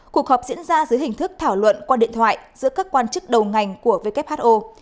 cuộc họp diễn ra dưới hình thức thảo luận qua điện thoại giữa các quan chức đầu ngành của who